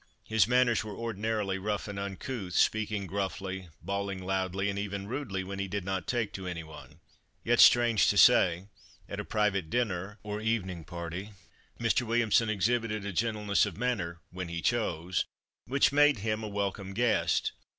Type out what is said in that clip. His manners were ordinarily rough and uncouth, speaking gruffly, bawling loudly, and even rudely when he did not take to any one. Yet, strange to say, at a private dinner or evening party, Mr. Williamson exhibited a gentleness of manner, when he chose, which made him a welcome guest.